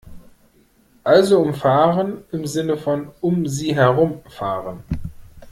Also umfahren im Sinne von "um sie herum fahren".